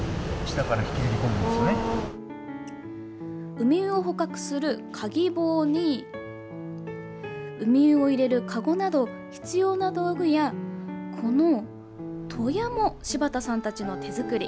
ウミウを捕獲するカギ棒にウミウを入れるかごなど必要な道具やこの鳥屋も柴田さんたちの手作り。